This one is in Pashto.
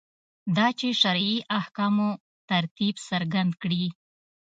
دا چې شرعي احکامو ترتیب څرګند کړي.